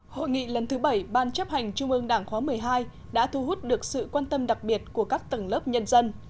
hội nghị lần thứ bảy ban chấp hành trung ương đảng khóa một mươi hai đã thu hút được sự quan tâm đặc biệt của các tầng lớp nhân dân